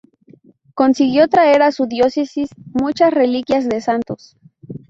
Consiguió traer a su diócesis muchas reliquias de santos.